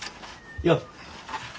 よっ。